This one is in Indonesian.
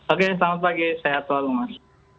oke selamat pagi sehat selalu mas